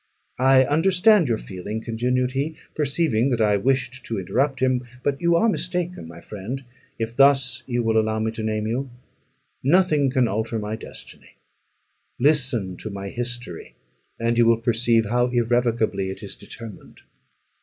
I understand your feeling," continued he, perceiving that I wished to interrupt him; "but you are mistaken, my friend, if thus you will allow me to name you; nothing can alter my destiny: listen to my history, and you will perceive how irrevocably it is determined."